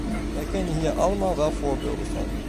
We kennen hier allemaal wel voorbeelden van.